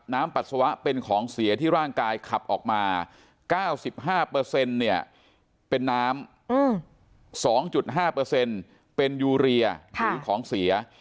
ปัสสาวะเป็นของเสียที่ร่างกายขับออกมา๙๕เนี่ยเป็นน้ำ๒๕เป็นยูเรียหรือของเสีย